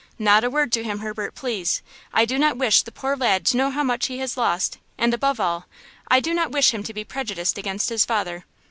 Not a word to him, Herbert, please! I do not wish the poor lad to know how much he has lost, and above all, I do not wish him to be prejudiced against his father."